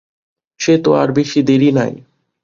সে তো আর বেশি দেরি নাই।